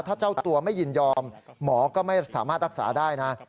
ถ้าเจ้าตัวไม่ยินยอมหมอก็ไม่สามารถรักษาได้นะ